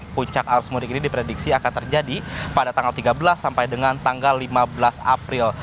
puncak arus mudik ini diprediksi akan terjadi pada tanggal tiga belas sampai dengan tanggal lima belas april